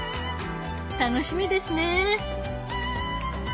楽しみですね。